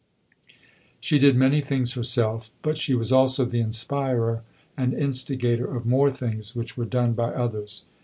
She did many things herself, but she was also the inspirer and instigator of more things which were done by others.